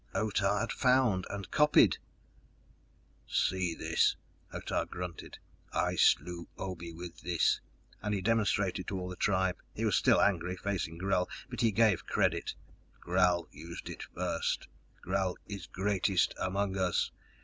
Otah had found and copied. "See this!" Otah grunted. "I slew Obe with this!" And he demonstrated to all the tribe. He was still angry, facing Gral, but he gave credit. "Gral used it first. Gral is greatest among us!